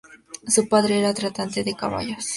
Su padre era tratante de caballos.